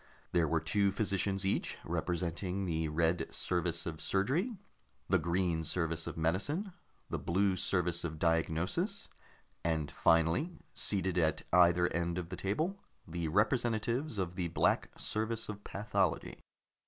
There were two physicians each, representing the Red Service of Surgery, the Green Service of Medicine, the Blue Service of Diagnosis, and finally, seated at either end of the table, the representatives of the Black Service of Pathology.